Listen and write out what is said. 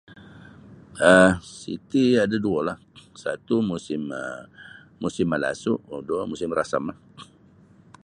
um Siti ada duo lah satu musim ma musim malasu keduo musim rasam lah.